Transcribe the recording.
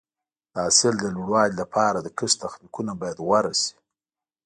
د حاصل د لوړوالي لپاره د کښت تخنیکونه باید غوره شي.